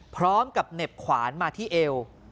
พร้อมกับเหน็บขวานมาที่เอว